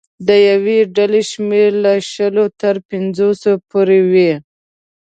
د یوې ډلې شمېر له شلو تر پنځوسو پورې وي.